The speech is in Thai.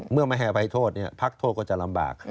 ไม่ให้อภัยโทษพักโทษก็จะลำบาก